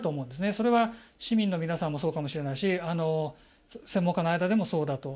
それは市民の皆さんもそうかもしれないし専門家の間でもそうだと。